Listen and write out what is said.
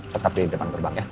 tetap di depan gerbang ya